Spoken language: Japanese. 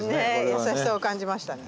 優しさを感じましたね。